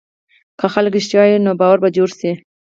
که خلک رښتیا ووایي، نو باور به جوړ شي.